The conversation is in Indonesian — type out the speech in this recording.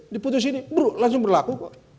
diputusin ini bro langsung berlaku